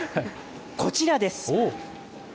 こちらです。